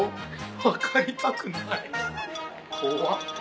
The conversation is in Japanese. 分かりたくない怖っ。